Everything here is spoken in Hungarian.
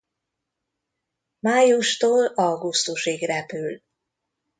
Májustól augusztusig repül.